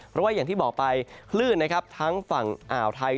เพราะว่าอย่างที่บอกไปคลื่นนะครับทั้งฝั่งอ่าวไทย